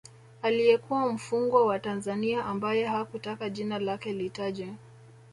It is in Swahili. Aliyekuwa mfungwa wa Tanzania ambaye hakutaka jina lake litajwe